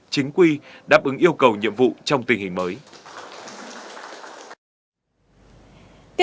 chính quy đáp ứng yêu cầu nhiệm vụ trong tình hình mới